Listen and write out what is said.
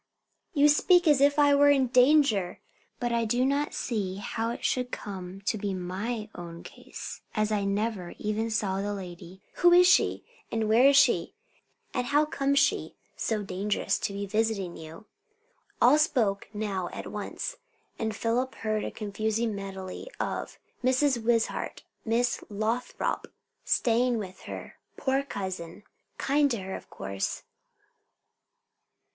"You speak as if I were in danger! But I do not see how it should come to be 'my own case,' as I never even saw the lady. Who is she? and where is she? and how comes she so dangerous to be visiting you?" All spoke now at once, and Philip heard a confused medley of "Mrs. Wishart" "Miss Lothrop" "staying with her" "poor cousin" "kind to her of course."